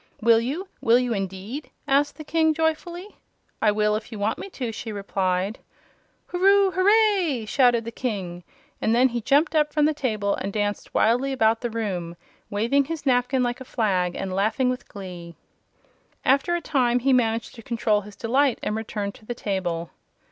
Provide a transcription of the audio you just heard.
"Will you? Will you, indeed?" asked the King, joyfully. "I will if you want me to," she replied. "Hurroo huray!" shouted the King; and then he jumped up from the table and danced wildly about the room, waving his napkin like a flag and laughing with glee. After a time he managed to control his delight and returned to the table.